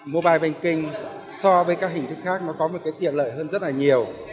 mobile banking so với các hình thức khác nó có một cái tiện lợi hơn rất là nhiều